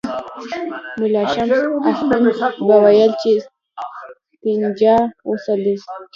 ملا شمس اخند به ویل چې استنجا غسل دی.